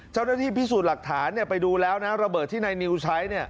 เจ้าหน้าที่พิสูจน์หลักฐานไปดูแล้วนะระเบิดที่นายนิวใช้